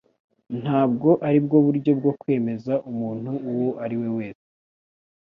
Ntabwo aribwo buryo bwo kwemeza umuntu uwo ari we wese.